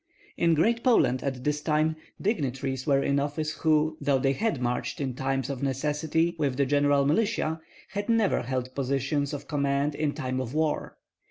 In Great Poland at this time dignitaries were in office who, though they had marched in times of necessity with the general militia, had never held positions of command in time of war.